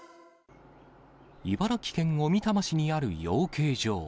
茨城県小美玉市にある養鶏場。